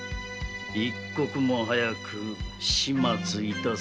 一刻も早く始末いたせ。